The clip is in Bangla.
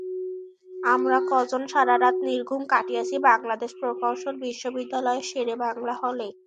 আমরা কজন সারা রাত নির্ঘুম কাটিয়েছি বাংলাদেশ প্রকৌশল বিশ্ববিদ্যালয়ের শেরে বাংলা হলে।